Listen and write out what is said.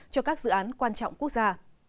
cho các dự án quan trọng quốc gia